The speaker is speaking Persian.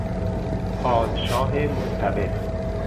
پادشاه مستبد